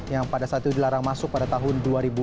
yang pada saat itu dilarang masuk pada tahun dua ribu dua puluh